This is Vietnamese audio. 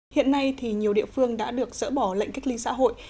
hiện nay thì nhiều địa phương đã được dỡ bỏ lệnh cách ly xã hội